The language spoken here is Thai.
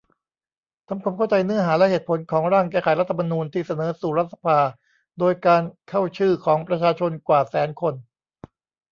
ทำความเข้าใจเนื้อหาและเหตุผลของ ร่างแก้ไขรัฐธรรมนูญที่เสนอสู่รัฐสภาโดยการเข้าชื่อของประชาชนกว่าแสนคน